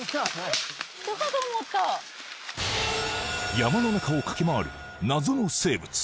山の中を駆け回る謎の生物